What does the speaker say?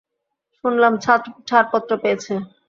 শুনলাম ছাড়পত্র পেয়েছে।